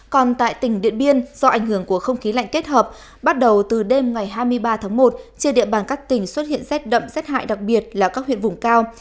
còn tại tỉnh điện biên do ảnh hưởng của không khí lạnh kết hợp bắt đầu từ đêm ngày hai mươi ba tháng một trên địa bàn các tỉnh xuất hiện rét đậm rét hại đặc biệt là các huyện vùng cao